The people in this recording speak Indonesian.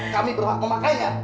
kami berhak memakainya